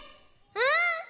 うん！